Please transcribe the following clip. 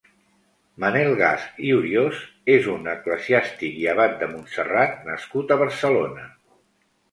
Manel Gasch i Hurios és un eclesiàstic i abat de Montserrat nascut a Barcelona.